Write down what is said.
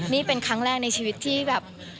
นี่เป็นครั้งแรกในชีวิตที่แบบ